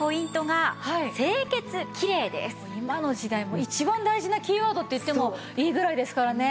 そして今の時代一番大事なキーワードと言ってもいいぐらいですからね。